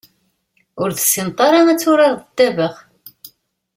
Ur tessineḍ ara ad turareḍ ddabex.